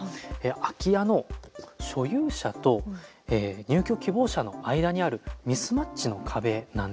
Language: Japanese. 空き家の所有者と入居希望者の間にあるミスマッチの壁なんです。